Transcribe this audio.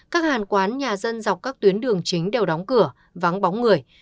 các hàng quán nhà dân dọc các tuyến đường chính đều đóng cửa vắng bóng người